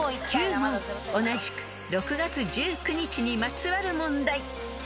［同じく６月１９日にまつわる問題］